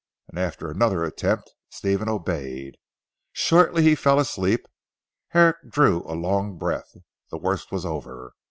And after another attempt Stephen obeyed. Shortly he fell asleep. Herrick drew a long breath. The worst was over.